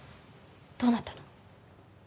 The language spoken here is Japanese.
どうなったの？